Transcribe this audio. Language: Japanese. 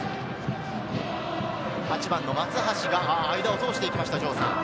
松橋が間を通していきました。